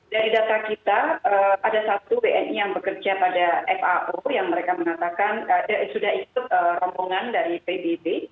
dari data kita ada satu wni yang bekerja pada fao yang mereka mengatakan sudah ikut rombongan dari pbb